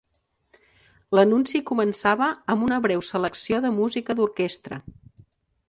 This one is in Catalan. L'anunci començava amb una breu selecció de música d'orquestra.